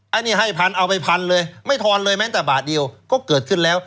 อันนี้ให้พันเอาไปพันเลยไม่ทอนเลยแม้แต่บาทเดียวก็เกิดขึ้นแล้ว